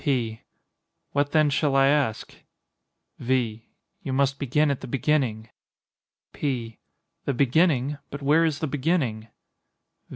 P. What then shall I ask? V. You must begin at the beginning. P. The beginning! But where is the beginning?